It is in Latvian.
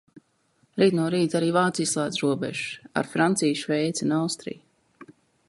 Rīt no rīta arī Vācija slēdz robežas - ar Franciju, Šveici un Austriju.